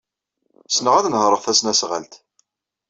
Ssneɣ ad nehṛeɣ tasnasɣalt.